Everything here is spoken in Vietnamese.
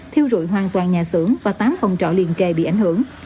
thiêu rụi hoàn toàn nhà xưởng và tám phòng trọ liên kề bị ảnh hưởng